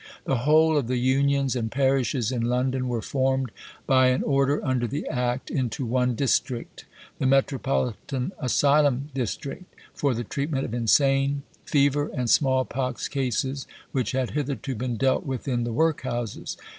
The whole of the unions and parishes in London were formed, by an Order under the Act, into one district, "The Metropolitan Asylum District," for the treatment of insane, fever, and small pox cases, which had hitherto been dealt with in the workhouses.